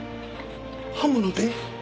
刃物で？